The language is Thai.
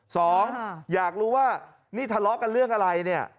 สองอยากรู้ว่านี่ทะเลาะกันเรื่องอะไรเนี่ย